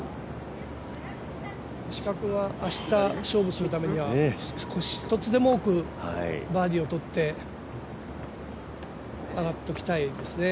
石川君は明日勝負するためには１つでも多くバーディーを取ってあがっておきたいですよね。